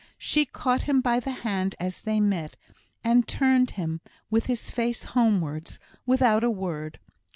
She caught him by the hand as they met, and turned him, with his face homewards, without a word.